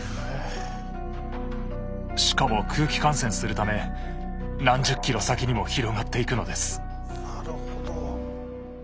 しかも空気感染するため何十キロ先にも広がっていくのです。